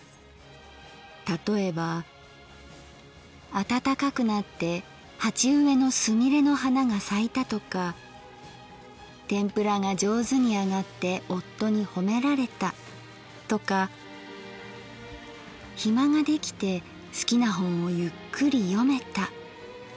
例えば暖かくなって鉢植のすみれの花が咲いたとかてんぷらが上手に揚がって夫にほめられたとか暇ができて好きな本をゆっくり読めたなどなど。